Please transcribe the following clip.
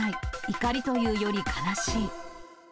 怒りというより悲しい。